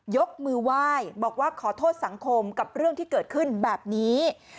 ยกมือไหว้บอกว่าขอโทษสังคมกับเรื่องที่เกิดขึ้นแบบนี้